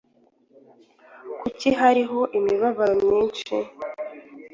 Kuki hariho imibabaro myinshi?